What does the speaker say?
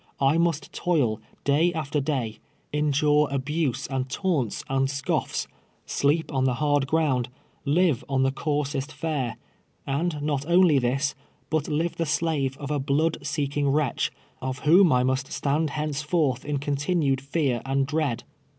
I must toil day after day, endure abuse and taunts and scoifs, sleep on the hard ground, live on the coarsest fare, and not only this, but live the slave of a blood seeking wretch, of whom I must stand henceforth in continued fear and dread.